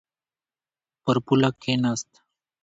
پر پوله کښېناست.